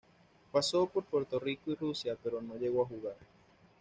Pasó por Puerto Rico y Rusia pero no llegó a jugar.